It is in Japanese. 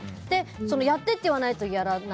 やってって言わないとやらない。